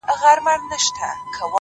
• اوس په كلي كي چي هر څه دهقانان دي,